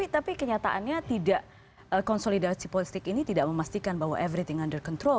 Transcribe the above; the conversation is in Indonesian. tapi kenyataannya tidak konsolidasi politik ini tidak memastikan bahwa everything under control